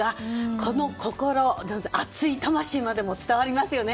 この心熱い魂までも伝わりますよね。